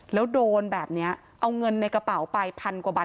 แล้วโดนแบบนี้เอาเงินในกระเป๋าไปพันกว่าบาท